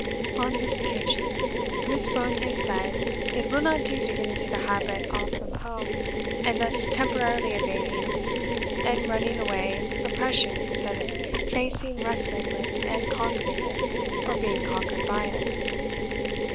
On this occasion, Miss Brontë said, "It will not do to get into the habit offrom home, and thus temporarily evading an running away oppression instead of facing, wrestling with and conquering it or being conquered by it."